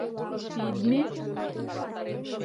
— Пидме?